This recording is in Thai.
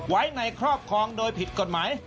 ไว้ในครอบครองโดยผิดกฎหมาย